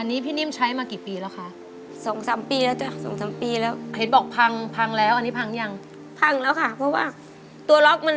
อันนี้พี่นิ่มใช้มากี่ปีแล้วค่ะ